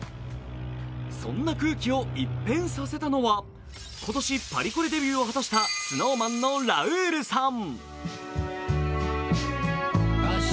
そんな空気を一変させたのは今年パリコレデビューを果たしたＳｎｏｗＭａｎのラウールさん。